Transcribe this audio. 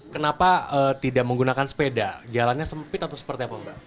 kenapa tidak menggunakan sepeda jalannya sempit atau seperti apa mbak